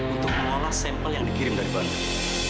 untuk mengolah sampel yang dikirim dari bandung